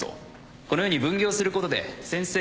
このように分業することで先生